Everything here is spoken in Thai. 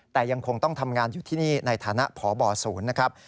แต่ยังคงต้องทำงานอยู่ที่นี่ในฐานะพบศูนย์นะครับ